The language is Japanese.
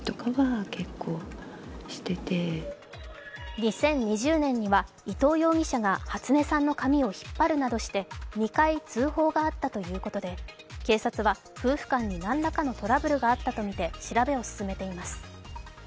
２０２０年には伊藤容疑者が初音さんの髪を引っ張るなどして２回、通報があったということで警察は夫婦間に何らかのトラブルがあったとみて調べを進めています。